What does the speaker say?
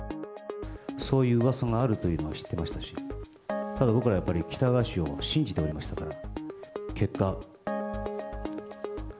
そういううわさがあるというのは知ってましたし、ただ、僕らはやっぱり喜多川氏を信じておりましたから。